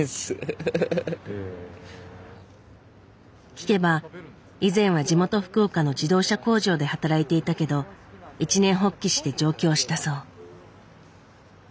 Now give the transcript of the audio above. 聞けば以前は地元福岡の自動車工場で働いていたけど一念発起して上京したそう。